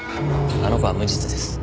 あの子は無実です。